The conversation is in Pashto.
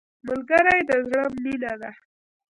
ملګری د زړه مینه ده